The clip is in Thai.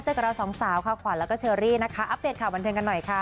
กับเราสองสาวค่ะขวัญแล้วก็เชอรี่นะคะอัปเดตข่าวบันเทิงกันหน่อยค่ะ